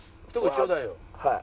はい。